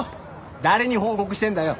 誰に報告してんだよ。